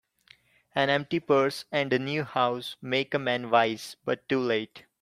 An empty purse, and a new house, make a man wise, but too late